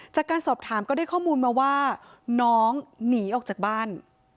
จากการสอบถามก็ได้ข้อมูลมาว่าน้องหนีออกจากบ้าน